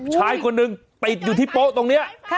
ชายคนหนึ่งติดอยู่ที่โป๊ะตรงนี้